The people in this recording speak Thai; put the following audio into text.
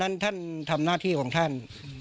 ท่านทำหน้าที่ของท่าน